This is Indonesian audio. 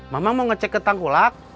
mama mau ngecek ke tengkulak